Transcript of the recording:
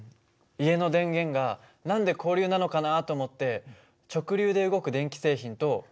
家の電源が何で交流なのかなと思って直流で動く電気製品と。